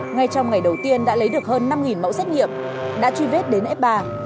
ngay trong ngày đầu tiên đã lấy được hơn năm mẫu xét nghiệm đã truy vết đến f ba